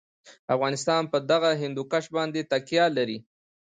افغانستان په دغه هندوکش باندې تکیه لري.